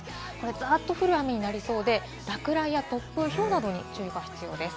ざっと降る雨になりそうで、落雷や突風、ひょうなどに注意が必要です。